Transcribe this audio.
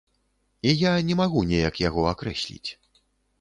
І я не магу неяк яго акрэсліць.